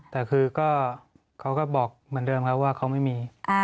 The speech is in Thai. แต่คือก็เขาก็บอกเหมือนเดิมครับว่าเขาไม่มี